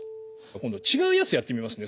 今度違うやつやってみますね。